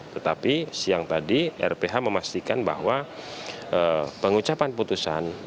tetapi siang tadi rph memastikan bahwa pengucapan putusan